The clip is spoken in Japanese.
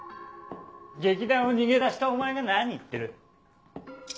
劇団を逃げ出したお前が何言ってる？